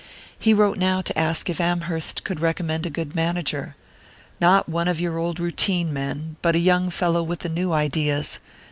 He wrote now to ask if Amherst could recommend a good manager "not one of your old routine men, but a young fellow with the new ideas.